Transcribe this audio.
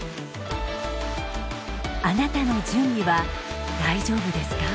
あなたの準備は大丈夫ですか？